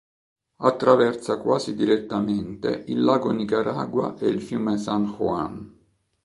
Attraversa quasi direttamente il lago Nicaragua e il fiume San Juan.